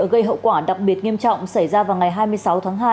gây hậu quả đặc biệt nghiêm trọng xảy ra vào ngày hai mươi sáu tháng hai